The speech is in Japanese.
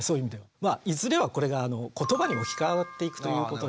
いずれはこれが言葉に置きかわっていくということです。